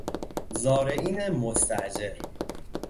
زارعین مستأجر